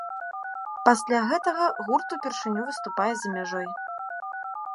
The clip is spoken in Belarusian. Пасля гэтага гурт упершыню выступае за мяжой.